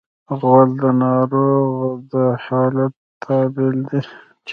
غول د ناروغ د حالت تابل دی.